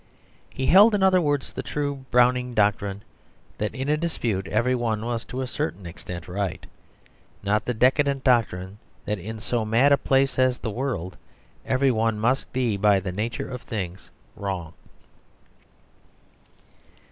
He held, in other words, the true Browning doctrine, that in a dispute every one was to a certain extent right; not the decadent doctrine that in so mad a place as the world, every one must be by the nature of things wrong.